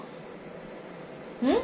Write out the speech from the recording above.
うん？